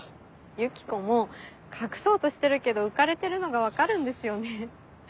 ユキコも隠そうとしてるけど浮かれてるのが分かるんですよね。